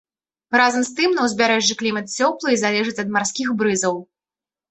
Разам з тым на ўзбярэжжы клімат цёплы і залежыць ад марскіх брызаў.